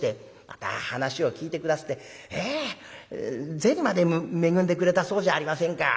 また話を聞いて下すって銭まで恵んでくれたそうじゃありませんか。